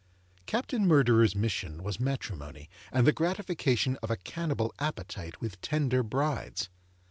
Captain Murderer's mission was matrimony, and the gratification of a cannibal appetite with tender brides.